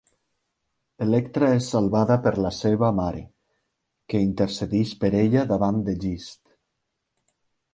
Electra és salvada per la seva mare, que intercedeix per ella d'avant d'Egist.